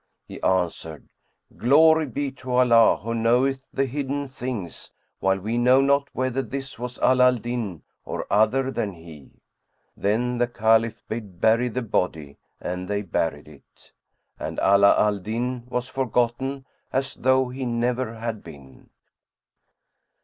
He answered, "Glory be to Allah who knoweth the hidden things, while we know not whether this was Ala al Din or other than he." Then the Caliph bade bury the body and they buried it; and Ala al Din was forgotten as though he never had been.